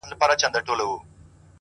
زموږه دوو زړونه دي تل په خندا ونڅيږي _